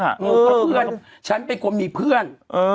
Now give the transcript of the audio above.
หนูก็เพื่อนฉันเป็นคนมีเพื่อน